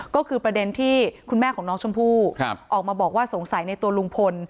ก็คือประเด็นที่คุณแม่ของน้องชมพู่ออกมาบอกว่าสงสัยในตัวลุงพล